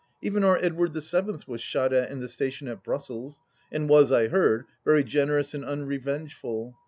Even our Edward the Seventh was shot at in the station at Brussels, and was, I heard, very generous and unrevengeful.